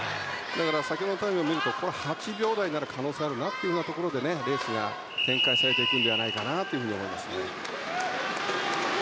先ほどのタイムを見ると８秒台になる可能性があるというところでレースが展開されていくんじゃないかなと思います。